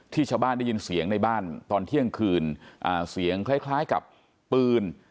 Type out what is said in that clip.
ชาวบ้านได้ยินเสียงในบ้านตอนเที่ยงคืนเสียงคล้ายคล้ายกับปืน